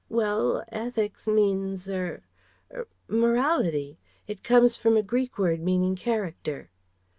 "Well 'ethics' means er er 'morality'; it comes from a Greek word meaning 'character.'..."